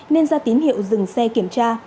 nên ra tín hiệu dừng xe kiểm tra